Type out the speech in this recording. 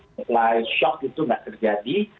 supply shock itu tidak terjadi